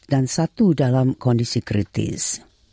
dan satu dalam kondisi kritis